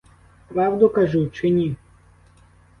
Правду кажу, чи ні?